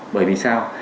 bởi vì sao